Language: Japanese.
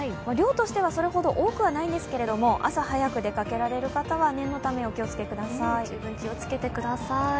量としてはそれほど多くないんですけど、朝早く出かけられる方は念のため、お気をつけください。